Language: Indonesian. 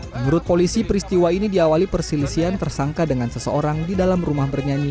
menurut polisi peristiwa ini diawali perselisihan tersangka dengan seseorang di dalam rumah bernyanyi